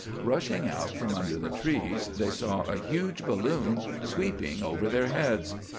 Rushing out from under the trees, they saw a huge balloon sweeping over their heads.